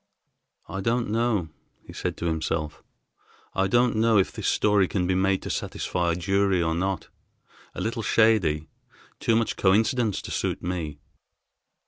"I don't know," he said to himself, "I don't know if this story can be made to satisfy a jury or not. A little shady. Too much coincidence to suit me."